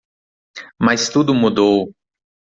Mas tudo mudou.